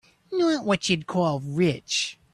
Not what you'd call rich.